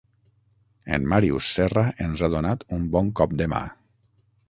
En Màrius Serra ens ha donat un bon cop de mà.